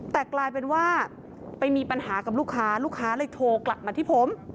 แต่กลายเป็นว่าไปมีปัญหากับลูกค้าลูกค้าเลยโทรกลับมาที่ผม